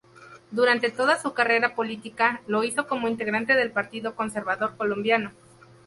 Durante toda su carrera política, lo hizo como integrante del Partido Conservador Colombiano.